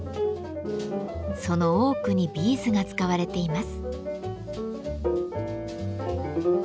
その多くにビーズが使われています。